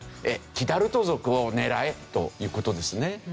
キダルト族を狙え！という事ですね。